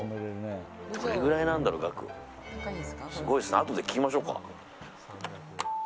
あとで聞きましょうか。